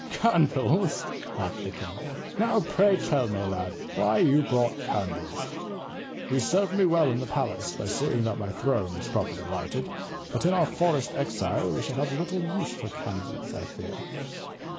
"Candles," laughed the king, "now pray tell me, lad, why you brought candles. You served me well in the palace by seeing that my throne was properly lighted, but in our forest exile we shall have little use for candles, I fear."